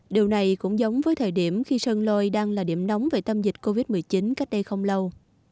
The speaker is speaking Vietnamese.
điều này cũng giống với thời điểm khi sơn lôi đang là điểm nóng về tâm dịch covid một mươi chín cách đây không lâu